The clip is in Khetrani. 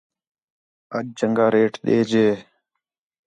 اَڄ چَنڳا ریٹ دے جے